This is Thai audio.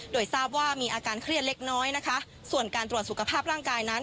โดยทราบว่ามีอาการเครียดเล็กน้อยนะคะส่วนการตรวจสุขภาพร่างกายนั้น